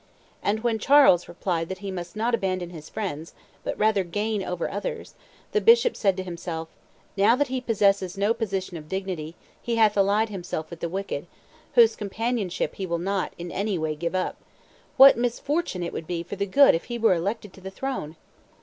And when Charles replied that he must not abandon his friends, but rather gain over others, the bishop said to himself, 'Now that he possesses no position of dignity, he hath allied himself with the wicked, whose companionship he will not, in any way, give up: what misfortune would it be for the good if he were elected to the throne!